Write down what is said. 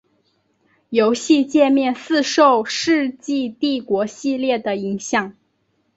游戏介面似受世纪帝国系列的影响。